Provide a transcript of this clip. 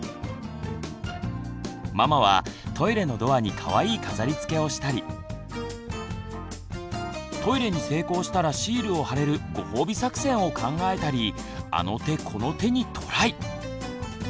ママはトイレのドアにかわいい飾りつけをしたりトイレに成功したらシールを貼れるご褒美作戦を考えたりあの手この手にトライ！